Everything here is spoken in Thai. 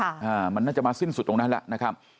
อ่ามันน่าจะมาสิ้นสุดตรงนั้นแล้วนะครับ